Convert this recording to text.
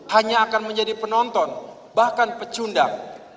hanya akan menjadi penonton bahkan pecundang